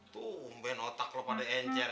tuh umben otak lo pada encer